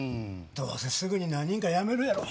どうせすぐに何人かやめるやろ。